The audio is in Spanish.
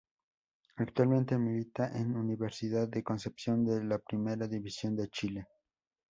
Actualmente milita en Universidad de Concepción de la Primera División de Chile.